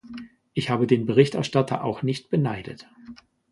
Ich habe den Berichterstatter auch nicht beneidet.